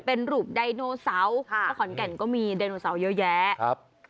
เป็นรูปไดโนเสาร์และขอนแก่นก็มีไดโนเสาร์เยอะแยะครับ